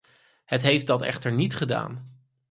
Het heeft dat echter niet gedaan.